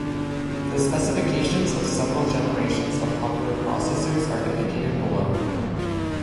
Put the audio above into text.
The specifications of several generations of popular processors are indicated below.